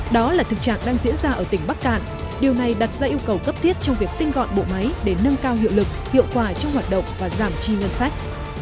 đó là thực trạng đang diễn ra ở tỉnh bắc cạn điều này đặt ra yêu cầu cấp thiết trong việc tinh gọn bộ máy để nâng cao hiệu lực hiệu quả trong hoạt động và giảm chi ngân sách